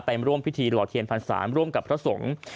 ไปมาร่วมพิธีหล่อเทียมพรรดิสารร่วมกับพระสงฆ์